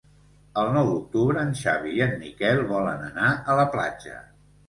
El nou d'octubre en Xavi i en Miquel volen anar a la platja.